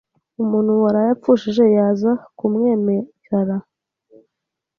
umuntu waraye apfushije, yaza kumwemerara